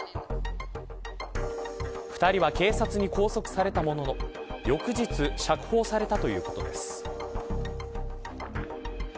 ２人は警察に拘束されたものの翌日、釈放されたということです。